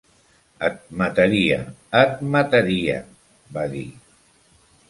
"Et mataria, et mataria!", va dir.